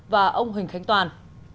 và ông huỳnh khánh toàn